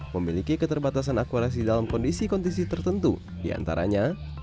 memiliki keterbatasan akurasi dalam kondisi kondisi tertentu diantaranya